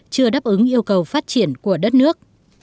chưa đáp ứng yêu cầu phát triển của đất nước